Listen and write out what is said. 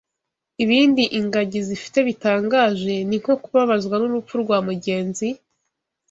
Ibindi ingagi zifite bitangaje, ni nko kubabazwa n’urupfu rwa mugenzi